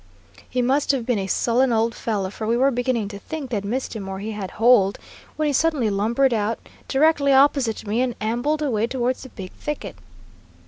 He must have been a sullen old fellow, for we were beginning to think they had missed him or he had holed, when he suddenly lumbered out directly opposite me and ambled away towards the big thicket.